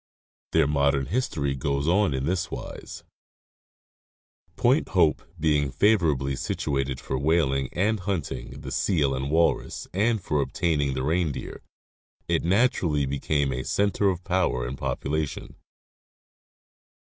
Their modern history goes on in this wise: Point Hope being favorably situated for whaling and hunting the seal and walrus and for obtaining the reindeer, it naturally became a center of power and population.